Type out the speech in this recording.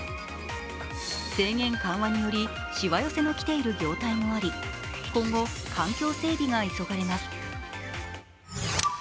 制限緩和により、しわ寄せも来ている業態もあり、今後、環境整備が急がれます。